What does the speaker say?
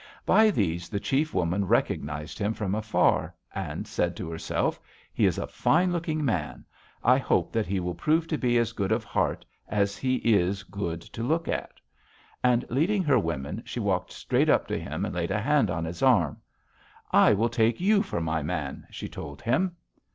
By these the chief woman recognized him from afar, and said to herself: 'He is a fine looking man. I hope that he will prove to be as good of heart as he is good to look at.' And, leading her women, she walked straight up to him and laid a hand on his arm: 'I will take you for my man,' she told him.